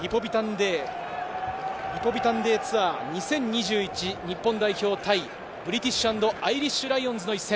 リポビタンＤＴＯＵＲ２０２１、日本代表対ブリティッシュ＆アイリッシュ・ライオンズの一戦。